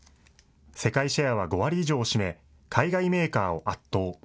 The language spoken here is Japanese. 世界シェアは５割以上を占め、海外メーカーを圧倒。